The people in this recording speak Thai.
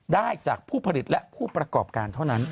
ได้จากผู้ผลิตและผู้ประกอบการเท่านั้น